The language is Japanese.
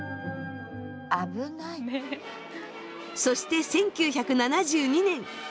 そして１９７２年。